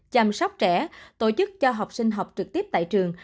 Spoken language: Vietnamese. chăm sóc trẻ tổ chức cho học sinh học trực tiếp tại trường